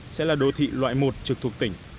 sẽ là đô thị loại một trực thuộc tỉnh